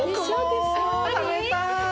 食べたい。